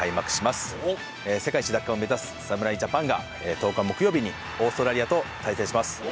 世界一奪還を目指す侍ジャパンが１０日木曜日にオーストラリアと対戦します。